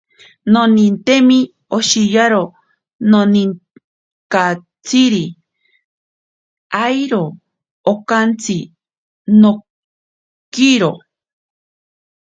Nonintemi oshiyaro naninkatsiri, airo okantsi nookiro.